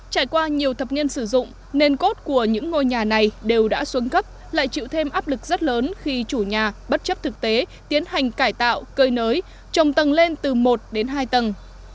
trải qua nhiều thập niên sử dụng nền cốt của những ngôi nhà này đều đã xuân cấp lại chịu thêm áp lực rất lớn khi chủ nhà bất chấp thực tế tiến hành cải tạo cơi nới trồng tầng lên từ một đến hai tầng